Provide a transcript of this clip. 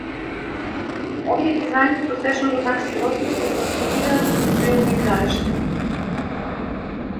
Овие дизајни, просечното такси возило го трансформираат во визуелно игралиште.